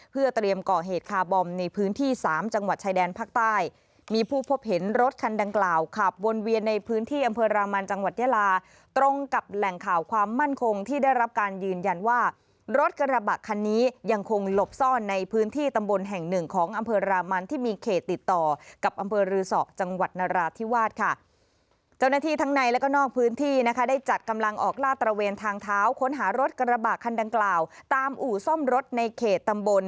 เพื่อเตรียมก่อเหตุคาร์บอมในพื้นที่สามจังหวัดชายแดนภาคใต้มีผู้พบเห็นรถคันดังกล่าวขาบวนเวียนในพื้นที่อัมเภอรามันจังหวัดยาลาตรงกับแหล่งข่าวความมั่นคงที่ได้รับการยืนยันว่ารถกระบะคันนี้ยังคงหลบซ่อนในพื้นที่ตำบนแห่งหนึ่งของอัมเภอรามันที่มีเขตติดต่อกับอ